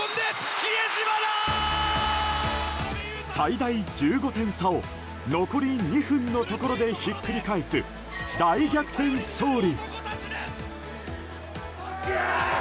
最大１５点差を残り２分のところでひっくり返す大逆転勝利。